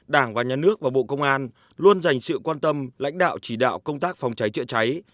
đảng và nhà nước và bộ công an luôn dành sự quan tâm lãnh đạo chỉ đạo công tác phòng cháy chữa cháy